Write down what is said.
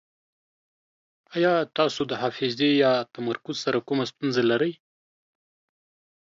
ایا تاسو د حافظې یا تمرکز سره کومه ستونزه لرئ؟